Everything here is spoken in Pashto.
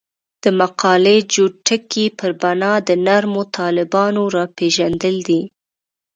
د مقالې جوت ټکی پر بنا د نرمو طالبانو راپېژندل دي.